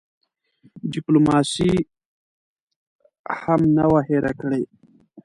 ډیپلوماسي هم نه وه هېره کړې.